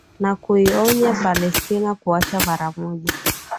na kuionya palestina kuacha mara moja